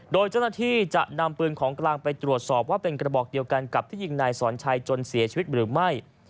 โดยเจ้าหน้าที่จะนำปืนของกลางไปตรวจสอบว่าเป็นกระบอกเดียวกันกับที่ยิงนายสอนชัยจนเสียชีวิตหรือไม่